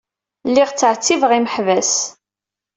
Lliɣ ttɛettibeɣ imeḥbas.